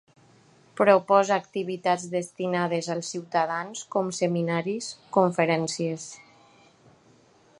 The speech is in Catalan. Proposa activitats destinades als ciutadans com seminaris, conferències.